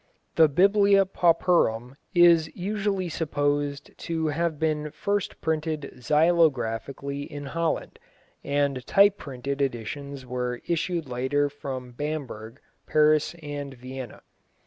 The Biblia Pauperum is usually supposed to have been first printed xylographically in Holland, and type printed editions were issued later from Bamberg, Paris and Vienna.